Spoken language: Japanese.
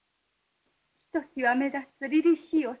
ひときわ目立つりりしいお姿。